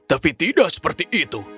tapi tidak seperti itu